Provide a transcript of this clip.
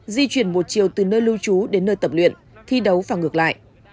di chuyển một chiều từ nơi lưu trú đến nơi tập luyện thi đấu và ngược lại